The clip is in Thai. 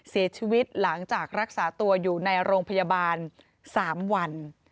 เสียชีวิตหลังจากรักษาตัวอยู่ในโรงพยาบาล๓วัน